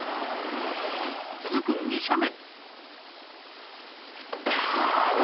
続く２射目。